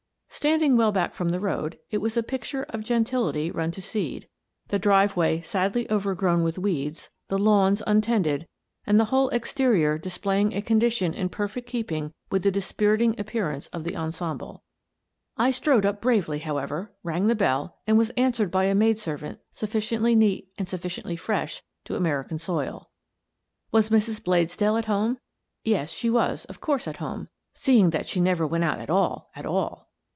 Standing well back from the road, it was a picture of gentility run to seed, the drive 198 Miss Frances Baird, Detective way sadly overgrown with weeds, the lawns un tended, and the whole exterior displaying a condi tion in perfect keeping with the dispiriting appear ance of the ensemble. I strode up bravely, however, rang the bell, and was answered by a maid servant sufficiently neat and sufficiently fresh to American soil. Was Mrs. Bladesdell at home? Yes, she was, of course, at home, seeing that she never went out at all, at all.